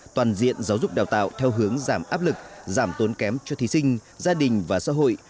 toàn diện giáo dục đào tạo theo hướng giảm áp lực giảm tốn kém cho thí sinh gia đình và xã hội